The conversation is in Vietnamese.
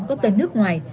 có tên nước ngoài